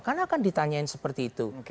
karena akan ditanyain seperti itu